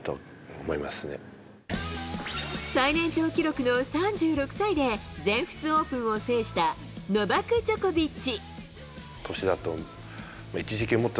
最年長記録の３６歳で、全仏オープンを制したノバク・ジョコビッチ。